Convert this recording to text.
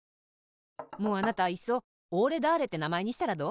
もうあなたいっそおーれだーれってなまえにしたらどう？